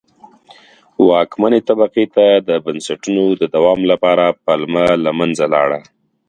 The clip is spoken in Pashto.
واکمنې طبقې ته د بنسټونو د دوام لپاره پلمه له منځه لاړه.